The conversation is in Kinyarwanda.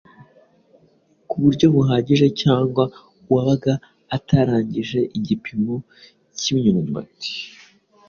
ku buryo buhagije cyangwa uwabaga atarangije igipimo cy’imyumbati.